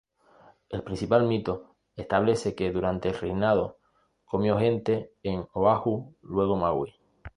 El principal mito establece que, durante su reinado, comió gente en Oahu, luego Maui.